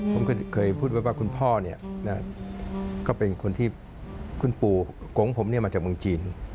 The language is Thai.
ผมเคยพูดว่าคุณพ่อเนี่ยก็เป็นคนที่คุณปู่กงผมเนี่ยมาจากเมืองจีน